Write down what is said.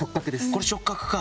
これ触角か。